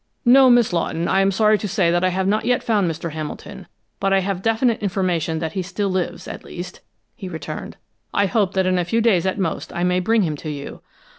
"No, Miss Lawton, I am sorry to say that I have not yet found Mr. Hamilton, but I have definite information that he still lives, at least," he returned. "I hope that in a few days, at most, I may bring him to you."